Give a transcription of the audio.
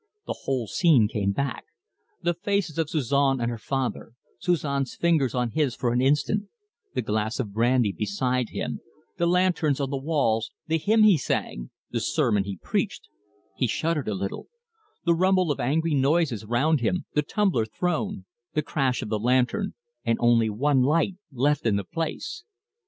The whole scene came back: the faces of Suzon and her father; Suzon's fingers on his for an instant; the glass of brandy beside him; the lanterns on the walls; the hymn he sang; the sermon he preached he shuddered a little; the rumble of angry noises round him; the tumbler thrown; the crash of the lantern, and only one light left in the place!